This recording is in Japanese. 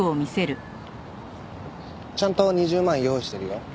ちゃんと２０万用意してるよ。